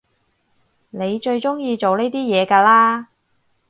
你最中意做呢啲嘢㗎啦？